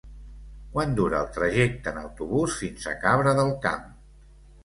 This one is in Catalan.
Quant dura el trajecte en autobús fins a Cabra del Camp?